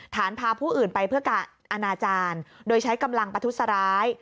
ฐานพาผู้อื่นไปเพื่อการอนาจารย์โดยใช้กำลังประทุษร้าย